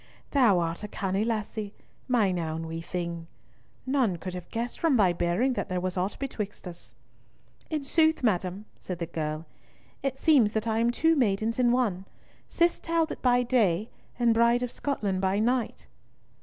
"Thou art a canny lassie, mine ain wee thing. None could have guessed from thy bearing that there was aught betwixt us." "In sooth, madam," said the girl, "it seems that I am two maidens in one—Cis Talbot by day, and Bride of Scotland by night."